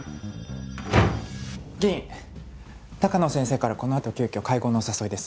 ・議員鷹野先生からこのあと急きょ会合のお誘いです。